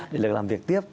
để được làm việc tiếp